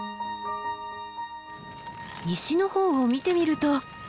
西の方を見てみると。